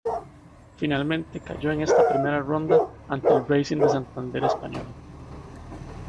Finalmente cayó en esta Primera Ronda ante el Racing de Santander español.